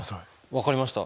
分かりました。